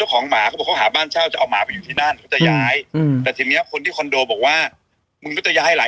บางทีเขาก็ไม่ดีขนาดนั้นเป้าวะ